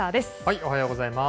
おはようございます。